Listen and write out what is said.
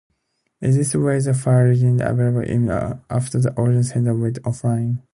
In this way, the file remained available even after the original sender went offline.